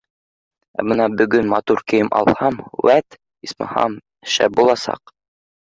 Ә бына бөгөн матур кейем алһам, үәт, исмаһам, шәп буласаҡ.